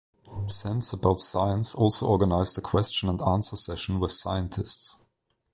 Sense About Science also organised a question and answer session with scientists.